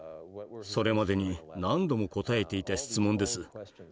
それまでに何度も答えていた質問です。